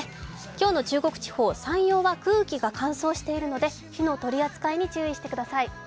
今日の中国地方、山陽は空気が乾燥しているので火の取り扱いに注意してください。